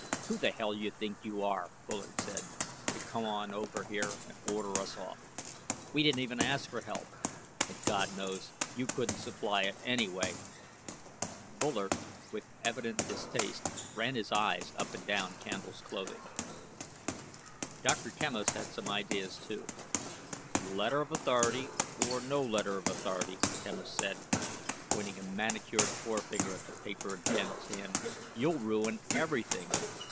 "Who the hell you think you are," Bullard said, "to come over here and order us off? We didn't even ask for help. And, God knows, you couldn't supply it anyway." Bullard, with evident distaste, ran his eyes up and down Candle's clothing. Dr. Quemos had some ideas, too. "Letter of authority or no letter of authority," Quemos said, pointing a manicured forefinger at the paper in Candle's hand, "you'll ruin everything!